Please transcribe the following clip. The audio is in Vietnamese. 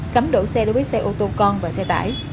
cấm đổ xe đối với xe ô tô con và xe tải